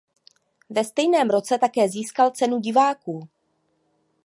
Ve stejném roce také získal Cenu diváků.